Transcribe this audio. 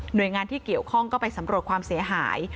โดยงานที่เกี่ยวข้องก็ไปสำรวจความเสียหาย